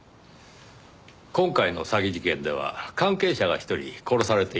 今回の詐欺事件では関係者が１人殺されています。